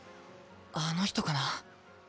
あの人かな？